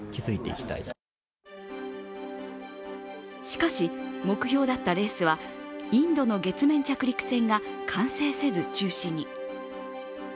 しかし、目標だったレースはインドの月面着陸船が完成せず中止に。